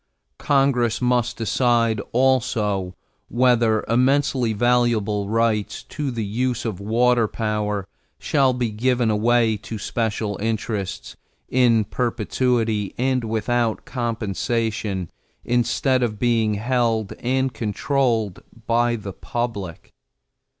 Congress must decide also whether immensely valuable rights to the use of water power shall be given away to special interests in perpetuity and without compensation instead of being held and controlled by the public.